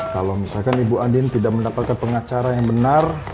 kalau misalkan ibu andin tidak mendapatkan pengacara yang benar